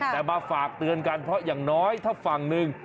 แต่มาฝากเตือนกันเพราะอย่างน้อยถ้าฝั่งหนึ่ง